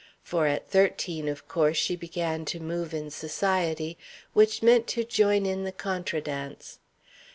For at thirteen, of course, she began to move in society, which meant to join in the contra dance.